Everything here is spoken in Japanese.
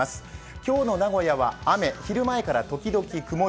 今日の名古屋は雨、昼前から時々曇り。